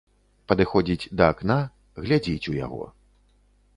Падыходзіць да акна, глядзіць у яго.